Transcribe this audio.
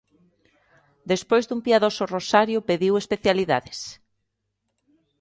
Despois dun piadoso rosario pediu especialidades: